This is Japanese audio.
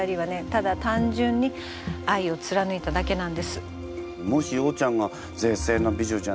ただ単純に愛を貫いただけなんです。